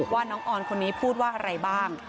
ว่าน้องออนคนนี้พูดว่าอะไรบ้าง